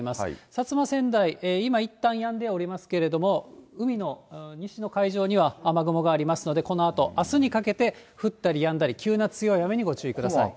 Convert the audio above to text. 薩摩川内、今、いったんやんではおりますけれども、海の西の海上には雨雲がありますので、このあと、あすにかけて、降ったりやんだり、急な強い雨にご注意ください。